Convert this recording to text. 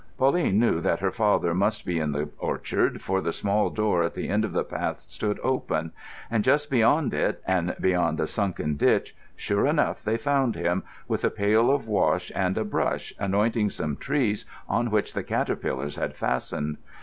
Pauline knew that her father must be in the orchard, for the small door at the end of the path stood open; and just beyond it, and beyond a sunken ditch, sure enough they found him, with a pail of wash and a brush, anointing some trees on which the caterpillars had fastened.